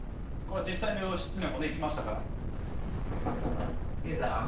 これは実際の義経もね行きましたから。